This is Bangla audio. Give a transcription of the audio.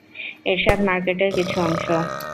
এরশাদ মার্কেট এর কিছু অংশ।